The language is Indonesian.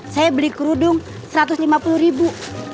saya beli kerudung satu ratus lima puluh ribu